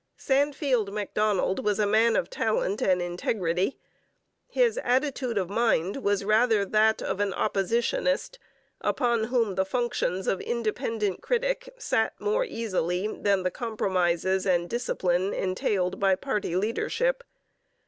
Sandfield Macdonald was a man of talent and integrity. His attitude of mind was rather that of an oppositionist, upon whom the functions of independent critic sat more easily than the compromises and discipline entailed by party leadership.